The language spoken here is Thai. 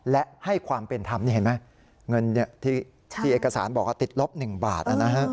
และให้ความเป็นธรรมนี่เห็นไหมเงินที่เอกสารบอกว่าติดลบ๑บาท